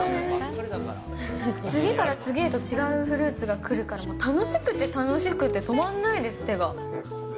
次から次へと違うフルーツが来るから、もう楽しくて楽しくて、止まんないです、手が。